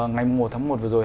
ngày một tháng một vừa rồi